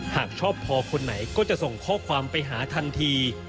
หากชอบพอคนไหนก็จะส่งข้อความไปหาทันที